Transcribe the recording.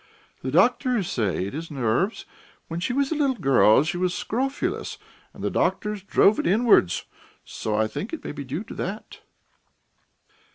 "The doctors say it is nerves; when she was a little girl she was scrofulous, and the doctors drove it inwards, so I think it may be due to that."